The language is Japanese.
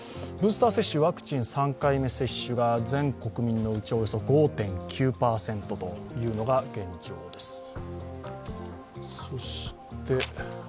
ブースター接種ワクチン３回目接種が全国民のうち５．９％というのが現状です。